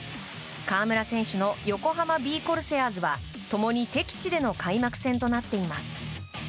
河村選手の横浜ビー・コルセアーズは共に敵地での開幕戦となっています。